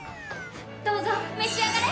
どうぞ召し上がれ！